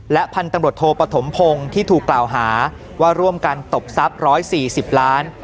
พันธุ์ตำรวจโทปฐมพงศ์ที่ถูกกล่าวหาว่าร่วมกันตบทรัพย์๑๔๐ล้าน